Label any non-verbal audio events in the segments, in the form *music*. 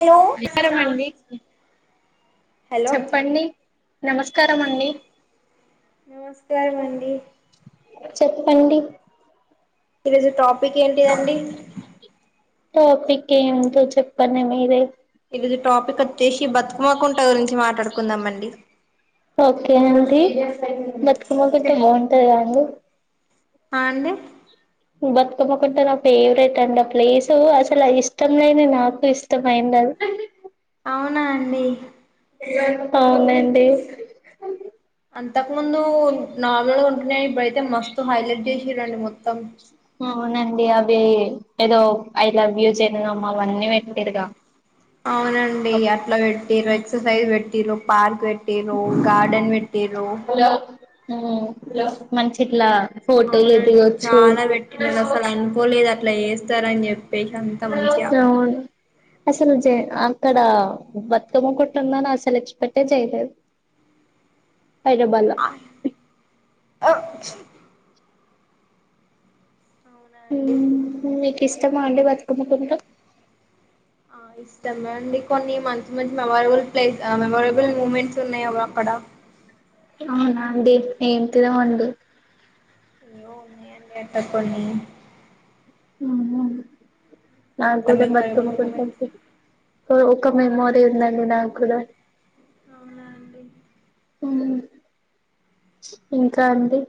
Hello నమస్కారం అండీ hello చెప్పండి హలో నమస్కారం అండి నమస్కారం అండి చెప్పండి ఈరోజు టాపిక్ టాపిక్ ఏంటిదండి టాపిక్ ఏంటిదో చెప్పండి మీరే ఇది టాపికా వచ్చేసి బతుకుమ్మకుంట గురించి మాట్లాడుకుందాం అండి ఓకే అండి తమకు ఇట బాగుంటాయి ఆ అండి బతుకమ్మ పండుగ నా ఫేవరెట్ అండి ఆ ప్లేసు అసలు ఇష్టం లేని నాకు ఇష్టమైంది అది అవునా అండి అవునండి ఇంతకు ముందు నార్మల్గా ఉంటున్నాయి ఇప్పుడయితే మస్తు హైలైట్ చేసిరండి మొత్తం ఏ ఏదో ఐ లవ్ యు జనగాం అవన్నీ పెట్టిర్రుగా అవునండి అట్లా పెట్టి ఎక్సర్సైజ్ పెట్టి పార్క్ పెట్ ట్టిర్రు గార్డెన్ పెట్టిర్రు ఆ మంచి ఇట్లా ఫోటోలు అవునండి చాలా దిగొచ్చు పెట్టినడు అస్సలు అనుకోలేదు అ అట్లా చేస్తార అని చెప్ పే గంత మచిగా అవును అసలు జ అక్కడ బతుకమ్మ కుట్టుందని అస్సలు ఎక్స్పర్ట్ చేయలేదు హైదరాబాద్లా ఓ అవునండి హామ్ ఇష్టమా అండి బతుకమ్మ కుంట్టు ఆ ఇష్టం అండి కొన్ని మంచి మంచి మెమొరబుల్ ప్లే మెమొరబుల్ మూమెంట్స్ ఉన్నాయ అక్కడ అవునా అండి ఏంటిదో అండి ఏవో ఉన్నాయి అండి అట్లా కొన్ని నా అట్లా కుడా మెమొరబుల్ బతుకమ్మ పండుగ మూమెంట్స్ అంటే ఒక మెమొరి ఉందండి నాకు కూడా అవునా అండి హామ్ ఇంకా అండి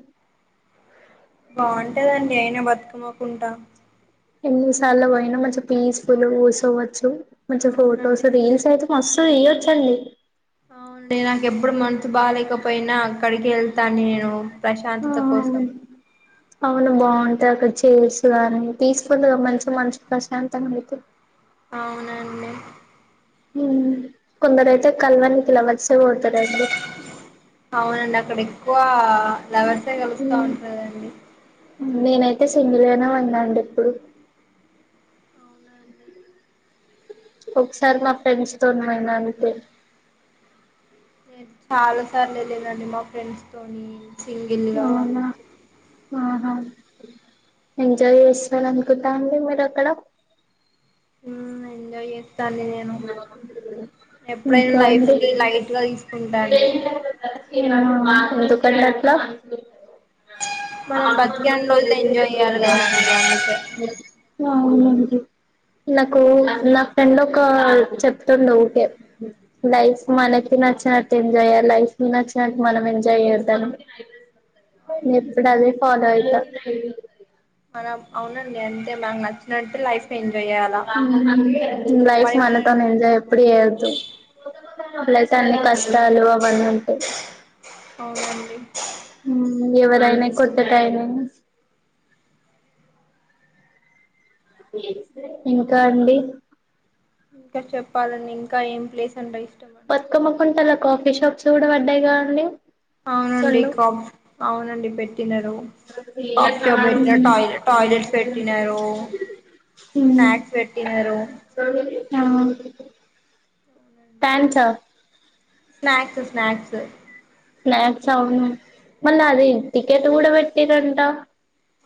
బాగుంటదండి అయినా బతుకమ్మ కుండా ఎన్నిసార్లు పోయినా మంచిం పీస్ఫుల్ కుసుోవచ్చు మంచి ఫోటోస్ అవునండి రీల్స్ అయితే మస్తు ఆ ఇయ్యోచండీ అవుడి నాకెప్పుడు మనసు బాలేేకపోయినా అక్కడికి వెళ్తాఅండి నేను ప్రశాంతత కోసం అవును బాగుంటాయి అక్కడ చేర్సు కాని ప్రేస్ఫుల్ల్గా మంచిగా మనసుకు ప్రశాంతంగా అయితే అవునండి కొందరు అయితే కలవనికి లవర్స్ పోతారడికి అవునండి అక్కడ ఎక్కువ లవర్సే కలుస్త ఉంటరండి నేనైతే సింగల్ గానే ఉన్నా అండి ఇప్పుడు అవునండి ఒకసారి మా ఫ్రెండ్స్ తోని పోయినా అంతే నేన్ చాలా సార్లు వెళ్లినాండి మా ఫ్రెండ్స్ తోని సింగిల్గా అవునా ఆహా ఎంజాయ్ చేస్తార్ అనుకుంటా అండి ఎక్కడ హ్మ్మ్ ఎంజాయ్ చేస్తు చాల్లేరా నేను ఎప్పుడైనా ఇంకా లైఫ్ అండి ని లైట్ గా తీసుకుంటానండి ఉమ్ ఎందుకని అట్లా మనం బతికేన్ని రోజులు ఎంజాయ్ చేయాలి కదా అందుకే అవునండి నాకు నా ఫ్రెండ్ ఒక చెప్తుండే ఊకే లైఫ్ మనకి నచ్చినట్టు ఎంజాయ్ జెయ్యాలి లైఫ్ నచ్చినట్టు మనం ఎంజాయ్ చేద్దాం అవునండి ఎప్పుడు అదే ఫాలో అయితా అవ్ అవునండి అంతే మనకు నచ్చినట్టు లైఫ్ ఎంజాయ్ చేయాలా హ్మ్ లైఫ్ మరి మరి మనతో ఎంజాయ్ ఎప్పుడు చేయద్దు అయితే అన్ని అవునండి కష్టాలు అవన్నీ ఉంటాయ్ అవునండి ఎవరయినా కొట్టడం ఇంకా అండి ఇంకా చెప్పాలండి ఇంకా ఏం ప్లేస్ అంట ఇష్ట బతుకమ్మ పండ కాఫీ షాప్స్ కూడా పడ్డాయి కదా అండి ఆ అవునండి అవునండి పెట్ పెట్టిన టా టాయిలెట్స్ పెట్టినారు స్నాక్స్ పెట్టినరు ఔను thanks yeah snacks snacks snacks ఔను మళ్ళీ అది టికెట్ కూడా పెట్టిరంట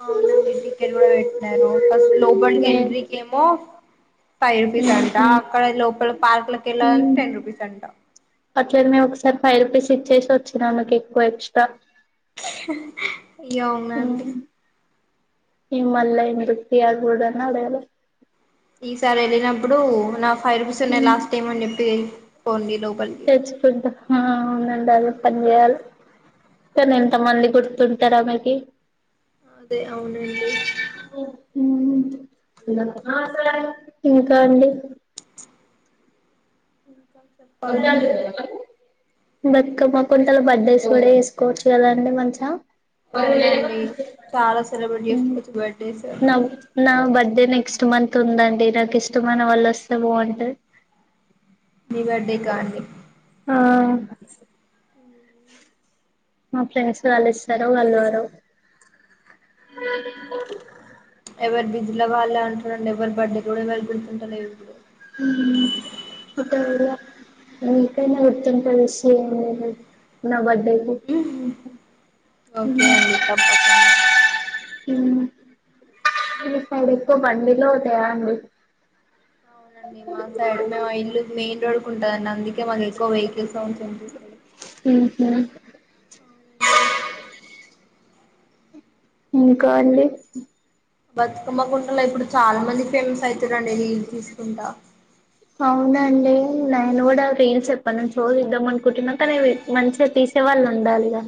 అవునండి టికెట్ కూడా పెట్టిన్నారు ఫస్ట్ లోపల్కి నే ఎంట్రీకి ఏమో ఫైవ్ రూపీస్ ఉమ్ అంటా అక్కడ లోప్ పార్క్ లోకి వెళ్లాలంటే ఉమ్ టెన్ రూపీస్ అంట అట్లనే ఒకసారి ఫైవ్ రూపీస్ ఇచ్చేసి వచ్చినామ్ మీకు ఎక్కువ ఎక్స్ట్రాగా హా హ్మ్మ్ అవునండి నేను ఈ మల్ల ఎందుకు తీ అని అది కూడా అని అడగలే ఈసారి వెళ్ళినప్పుడు నాఫ్రెం ఫైవ్ రూపీస్ ఉన్నాయి ఉమ్ లాస్ట్ టైం అని చెప్పి కొన్ని లో తెచ్చుకుంటా యాడ ఉండాయో పని చేయాలి కానీ ఎంత మంది గుర్తుంటారా ఆమెకి అదే అవునండి. ఉమ్ ఇంకా అండి ఇంకా చెప్పాలండి బతుకమ్మ కొత్తలో బర్డేస్ కూడ చెసుకోవచ్చు కదా అండి మంచిగా. అవునండి చాలా సెలబ్రేట్ చేసుకోవచ్చు బర్డేస్ నవ్ నా బర్డే నెక్స్ట్ మంత్ ఉందండి నాకు ఇష్టమైన వాళ్ళు వస్తే బాగుంటది. నీ బర్డేకా అండి ఆ *unintelligible* మా ఫ్రెండ్స్ వాళ్ళు ఇస్తారు వాళ్ళేవరో ఎవరు బిజీలో వాళ్ళే ఉంటరండి ఎవరి బర్డే కూడ ఎవరికి గుర్తుంటలేవు ఇప్పుడు. నీకైనా గుర్తుంటే విష్ చేయండి. నా బ ఓకే అండి తప్పకుండా మ్మ్ఁ మీ సైడ్ ఎక్కువ బండిలే పోతయా అండి అవునండి మా సైడ్ మేము మా ఇల్లు మెయిన్ రోడుకుంటదండి అందు కే మాకు ఎక్కువ వెహికల్స్ సౌండ్స్ వినిపిస్తయి. మ్ఁ ఇంకా అండి బతుకమ్మకుంటలో ఇప్పుడు చాల్ మంది ఫేమస్ అయితరండి రీల్స్ తీసుకుంటా అవునా అండి నేను గూడ రీల్స్ ఎప్పటి నుంచో చేద్దామనుకుంటున్నా కనీ ఇవి మంచిగా తీసేవాళ్ళు ఉండాలిగా!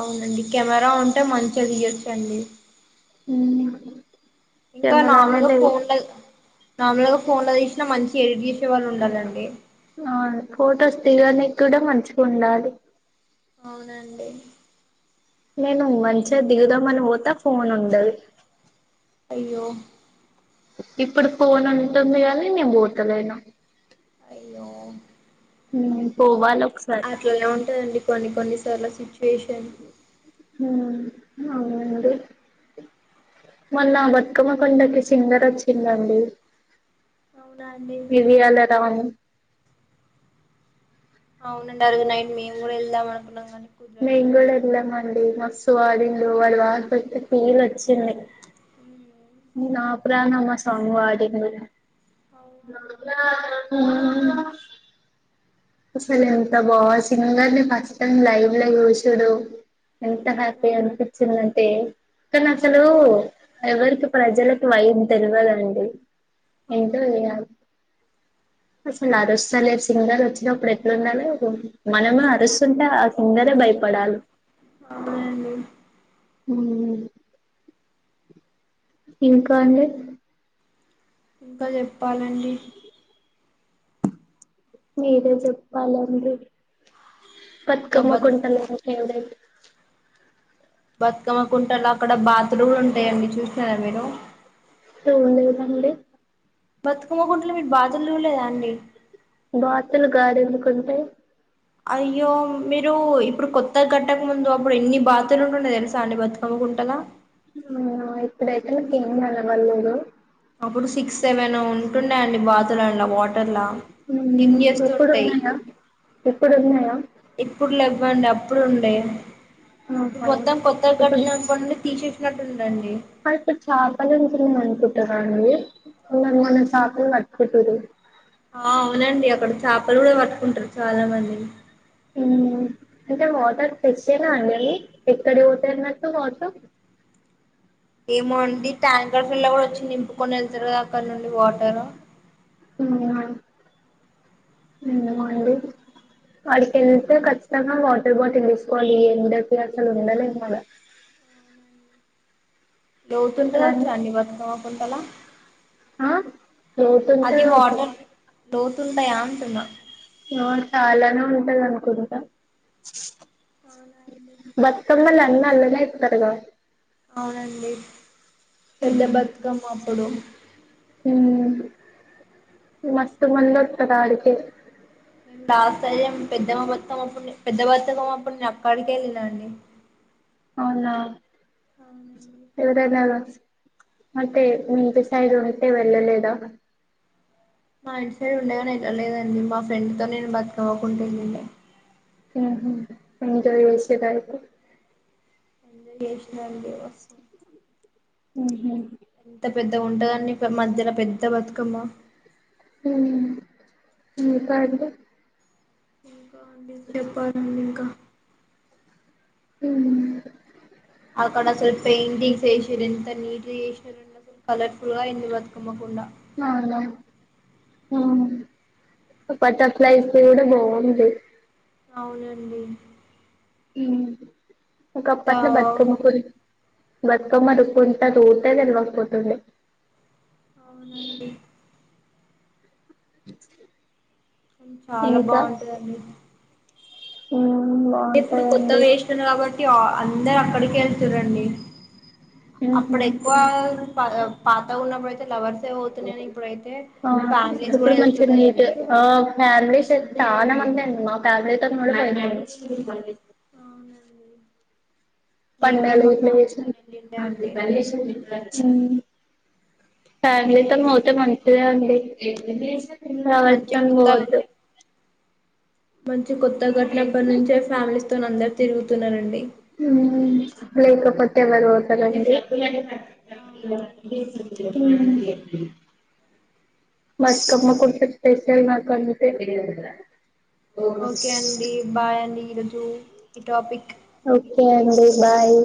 అవునండి కెమెరా ఉంటే మంచిగా తియో చ్చండి. హ్మ్ఁ ఇంకా నార్మల్గా ఫోన్ల నార్మల్ గా ఫోన్ల తీసినా మంచిగా ఎడిట్ చే ఆ ఫోటోస్ దిగనీకి కూడా మంచిగా ఉండాలి. అవునండి నేను మంచిగా దిగుదామని పోత ఫోన్ ఉండదు. అయ్యో ఇప్పుడు ఫోన్ ఉంటుంది కానీ నేను పోతలేను. అయ్యో మ్మ్ పోవాల అట్లానే ఉంటదండి కొన్ని కొన్ని చాలా శి ఫేషన్ అవునండి మళ్ళా బతుకమ్మ పండకి సింగర్ వచ్చిందండి అవునా అండి ఇరిాల రా అవునండీ మేము కూడా వెళ్దాం అనుకున్నాం కానీ మెంగుడ కుదరలేదండి ఎల్లా మండి మస్తు వాడిల్లు వాడి వాళ పెతే ఫీల్ వచ్చింది ఉమ్. నా ప్రాణమా సాంగ్ వడిండు అవునండి *inaudible* ఉ అసలు ఎంత బా సింగర్ని ఫస్ట్ టైం లైవ్ లో చుసుడు ఎంత అవును హ్యాపీి అనిపించిన అే కానీ అసలు ఎవరికి ప్రజలలకు భయం తెలివదండి అవునండి ఇంకా వె అసలు ఆరుస్ చ లే సింగల్ వచ్చై అప్పుడేట్ల ఉండాలి మనమే అరుస్తుంటే ఆ‌ సింగరే భయప హాయ్ అండి ఉ ఇంకా అండి ఇంకా చెప్పు ప్పాలండి మీరే చెప్పాలండి ఇంకా త్కమ్మ బత్ కుంటేలె బతుకమ్మ కుంటలో అక్కడ బా తులు కూడ ఉంటాయండి చూసినారా మీరు అండి బతుకమ్మకుంటలో మీరు బాతులు చూళ్ళేదా అండి అంటే అయ్యో మీరు ఇప్పుడు కొత్త గట్టకు ముందు అప్పుడు ఎన్ని బాతులు ఉంటుండే తెలుసా అండి బతుకమ్మ కుంట లో కుంటల అవునా ఇప్పుడైతే నాకు ఏం కనబల్లేదు అప్పుడు సిక్స్ సెవెన్ ఉంటుండే అండి బాతులల్లా వాటర్లా స్విమ్ హ్మ్ చేస్తూ ఉంటాయి ఇప్పుడున్నాయా ఇప్పుడున్నాయా ఇప్పులెవ్వండి అప్పుడు ఉండే ఇప్పుడు ఆహా మొత్తం కొత్తగా ఇప్పుడు కట్టినప్పటి నుండి తీసేసినట్టుండండి ఇప్పుడు చాపలు ఉంటుండే అనుకుంటా *unintelligible* నేను మొన్న చేపలు పట్టుకోచింరు ఆ అవునండి అక్కడ చేపలు కూడా పట్టుకుంటారు చాలా మంది అంటే వాటర్ ఫ్రెషేనా అండి అవి ఎక్కడికి పోతయన్నట్టు వాటర్ ఏమో అండి ట్యాంకర్ ఫీల్ కూడా వచ్చి నింపుకొని వెళ్తారు కదా అక్కడ నుండి వాటర్ అవునా ఏమో అండి ఆడికి వెళ్తే ఖచ్చితంగా వాటర్ బాటిల్ తీసుకోవాలి ఎండకి అసలు ఉండలేము ఆడ లేకుంట వచ్చండీ *unintelligible* కొంటలా ఆ లోతుంటది వాటర్ అనుకుంట లోతుంటాయా అంటున్నా లోతా చాలానే ఉంటది అనుకుంట కుంట *inaudible* కమ్మలు అన్ని అలానే ఎత్తారు కదా అవునండి పెద్ద బతుకమ్మ అప్పుడు హ మస్తు మందోత్తరు ఆడికీ ఎండ సరే పెద్దమ్మ బతుకమ్మ అప్పుడు పెద్ద బతుకమ్మ అప్పుడు నేను అక్కడికేళ్ళిన అండి అవునా అవునండి ఎవర అయితే మీ ఇంటి సైడ్ ఉంటే వెళ్ళలేదా మా ఇంటి సైడ్ ఉండేగాని ఎల్లలేదండి మా ఫ్రెండ్ తో నేను బతుకమకుంటానండి ఎంజాయ్ చేసిరా అయితే ఎంజాయ్ చేసిన *unintelligible* ఉహూ పెద్దగా ఉంటదండి మధ్యల పెద్ద బతుకమ్మ హామ్ కాదు గా హ ఆ అండి చెప్పాలండి ఇంకా హుం అక్కడ ఆసలు పెయింటింగ్స్ వేసిరు ఎంత నీట్ గా చేసిరూ అసలు కలర్ఫుల్గా బతుకమ్కుండ బటర్ఫ్లయస్ కూడా కూడా బా ఉంది అవునండి హుం ఇక అంతా అప్పట్లో బతుకమ్మ గురించి బతుకమడుకుంటా *unintelligible* తెల్వకపోతుండే అవునండి చాలా బాగుంటదండి హుం అంటే ఇప్పుడు కొత్త వేస్తున్నారు కాబట్టి అ అందరు అక్కడికే వెళ్తురండి అప్పుడు ఉహు ఎక్కువ పా పాత ఉన్నప్పుడయితే లవర్స్ ఏవ్ అవుతున్నాయని ఇప్పుడైతే ఆ ఫ్యామిలీస్ కూడా ఇప్పుడు మంచిగా నీట్ వెళ్తున్నారండి ఉందండి మా ఫ్యామిలీతో నడిపోయింద అవునండి నేను కూడా పండలు మా ఇట్ల వేసి ఫ్యామిలీతో వెళ్ళిండే అండి ఉ ఫ్యామిలీ తోని అవునండి. పోతే మంచిది అండి ఏంది మంచి నావత్తని కొత్త పోవద్దు మంచి కొత్త కట్టినప్పటి నుంచే ఫ్యామిలీస్ తోని అందరు తిరుగుతున్నానండి ఊ లేకపోతే ఎవరు పోతారు అండి అవునండి బిపి హు బతుకమ్మ కొంచెం స్పెషల్ మాకు అంతే ఓకే అండి బై అండి ఈ టాపిక్ ఓకే అండి ముగిసిపోయింది బాయ్